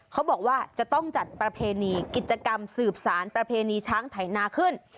เขาบอกว่าจะต้องจัดประเพณีกิจกรรมสืบสารประเพณีช้างไถนาขึ้น